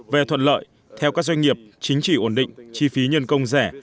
về thuận lợi theo các doanh nghiệp chính trị ổn định chi phí nhân công rẻ